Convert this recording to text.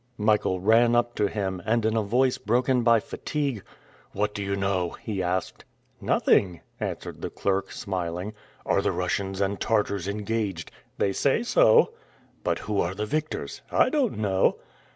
Michael ran up to him, and in a voice broken by fatigue, "What do you know?" he asked. "Nothing," answered the clerk, smiling. "Are the Russians and Tartars engaged?" "They say so." "But who are the victors?" "I don't know."